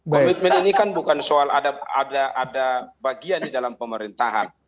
komitmen ini kan bukan soal ada bagian di dalam pemerintahan